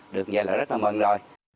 được như vậy là rất là mừng rồi